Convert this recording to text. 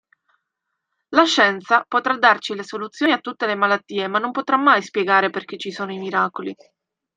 La scienza potrà darci le soluzioni a tutte le malattie ma non potrà mai spiegare perché ci sono i miracoli.